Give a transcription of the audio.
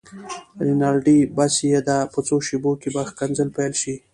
رینالډي: بس یې ده، په څو شېبو کې به ښکنځل پيل شي.